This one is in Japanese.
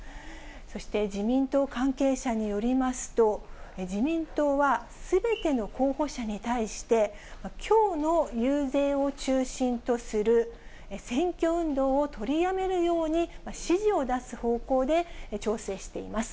そして、自民党関係者によりますと、自民党はすべての候補者に対して、きょうの遊説を中心とする選挙運動を取りやめるように指示を出す方向で調整しています。